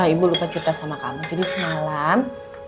ibu lupa cerita sama kamu jadi semalam